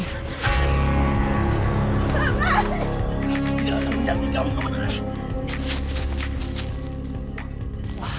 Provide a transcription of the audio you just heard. aku tidak akan berbuat kasar